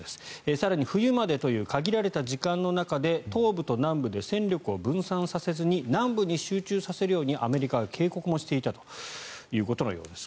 更に冬までという限られた時間の中で東部と南部で戦力を分散させずに南部に集中させるようにアメリカが警告もしていたということのようです。